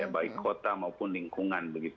baik kota maupun lingkungan